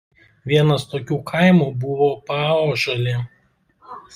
Vienas tokių kaimų buvo Paąžuolė.